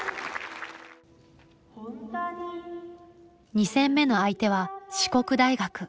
２戦目の相手は四国大学。